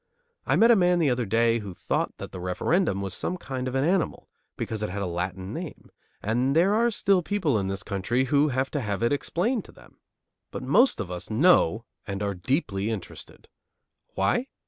I met a man the other day who thought that the referendum was some kind of an animal, because it had a Latin name; and there are still people in this country who have to have it explained to them. But most of us know and are deeply interested. Why?